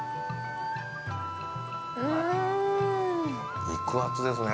うん肉厚ですね